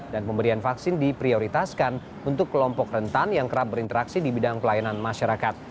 pemberian vaksin diprioritaskan untuk kelompok rentan yang kerap berinteraksi di bidang pelayanan masyarakat